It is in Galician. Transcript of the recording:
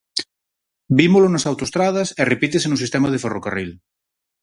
Vímolo nas autoestradas, e repítese no sistema de ferrocarril.